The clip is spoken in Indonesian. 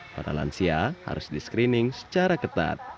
para lansia harus diskrining secara ketat